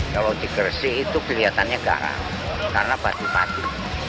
kalau di gresik itu kelihatannya garam karena batu batu